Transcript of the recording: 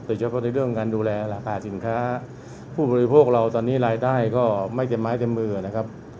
เฉพาะในเรื่องการดูแลราคาสินค้าผู้บริโภคเราตอนนี้รายได้ก็ไม่เต็มไม้เต็มมือนะครับ